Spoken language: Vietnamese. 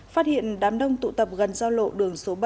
phát hiện đám đông tụ tập gần giao lộ đường số bảy